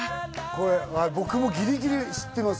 これ僕もギリギリ知ってます